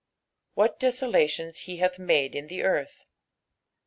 " What dttolatioiu he hath made ia the earth."